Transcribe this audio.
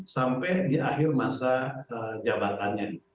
sampai di akhir masa jabatannya